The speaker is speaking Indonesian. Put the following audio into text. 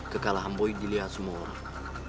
kekalahan boy dilihat semua orang